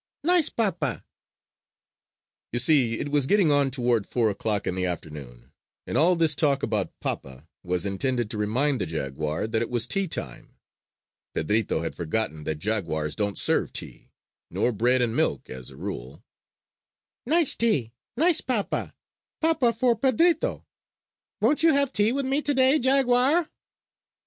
Nice papa!" You see, it was getting on toward four o'clock in the afternoon; and all this talk about "papa" was intended to remind the jaguar that it was tea time. Pedrito had forgotten that jaguars don't serve tea, nor bread and milk, as a rule. "Nice tea, nice papa! Papa for Pedrito! Won't you have tea with me today, jaguar?"